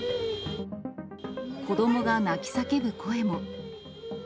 子どもが泣き叫ぶ声も。